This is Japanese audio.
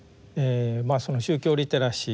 その宗教リテラシー